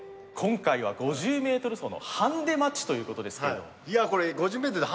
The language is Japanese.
今回は５０ｍ走のハンデマッチということですけれども。